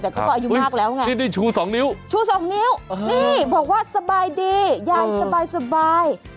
แต่ก็อายุมากแล้วไงชู้๒นิ้วบอกว่าสบายดียายสบาย